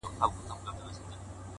ما د ابا ساتلی کور غوښتی.!